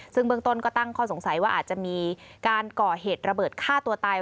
ซึ่งเบื้องต้นก็ตั้งข้อสงสัยว่าอาจจะมีการก่อเหตุระเบิดฆ่าตัวตาย